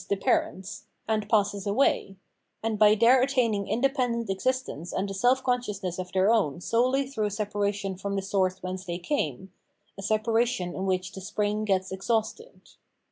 the parents) and passes away ; and by their attaining independent existence and a self consciousness of their own solely through separation The Ethical World 451 from the source whence they came — a separation in which the spring gets exhausted.